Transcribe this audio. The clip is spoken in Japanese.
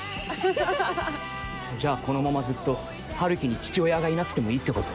じゃあこのままずっと春樹に父親がいなくてもいいってこと？